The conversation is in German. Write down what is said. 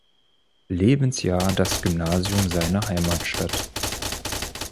Lebensjahr das Gymnasium seiner Heimatstadt.